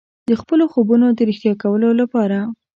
د خپلو خوبونو د ریښتیا کولو لپاره.